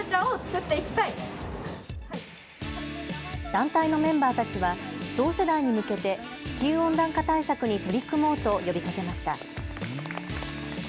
団体のメンバーたちは同世代に向けて地球温暖化対策に取り組もうと呼びかけました。